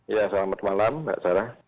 ya selamat malam mbak sarah